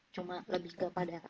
cuma lebih kepada